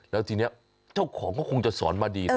แล้วทีนี้เจ้าของก็คงจะสอนมาดีนะ